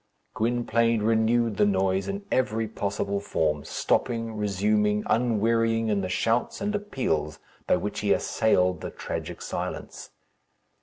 Gwynplaine renewed the noise in every possible form stopping, resuming, unwearying in the shouts and appeals by which he assailed the tragic silence.